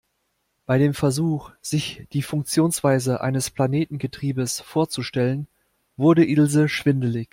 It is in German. Bei dem Versuch, sich die Funktionsweise eines Planetengetriebes vorzustellen, wurde Ilse schwindelig.